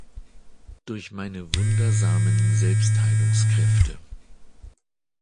Durch meine wundersamen Selbstheilungskräfte.